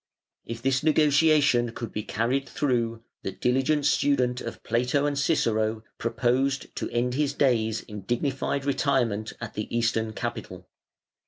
If this negotiation could be carried through, the diligent student of Plato and Cicero proposed to end his days in dignified retirement at the Eastern capital.